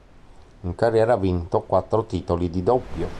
In carriera ha vinto quattro titoli di doppio.